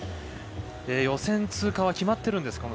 予選通過は決まっているんです